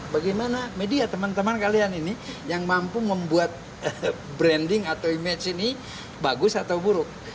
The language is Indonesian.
bagaimana media teman teman kalian ini yang mampu membuat branding atau image ini bagus atau buruk